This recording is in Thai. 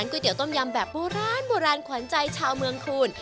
ร้านก๋วยเตี๋ยวต้มยำแบบโบราณโบราณขวานใจชาวเมืองคูณ